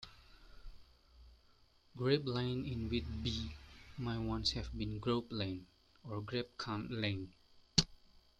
Grape Lane in Whitby may once have been Grope Lane, or Grapcunt Lane.